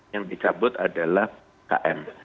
yang dicabut adalah km